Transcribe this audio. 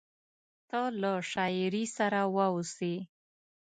ته له شاعري سره واوسې…